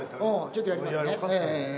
ちょっとやりますね。